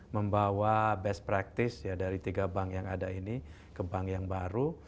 membawa best practice dari tiga bank yang ada ini ke bank yang baru